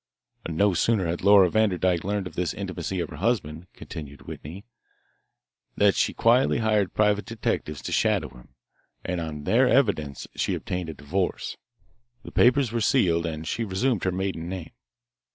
"No sooner had Laura Vanderdyke learned of this intimacy of her husband," continued Whitney, "than she quietly hired private detectives to shadow him, and on their evidence she obtained a divorce. The papers were sealed, and she resumed her maiden name.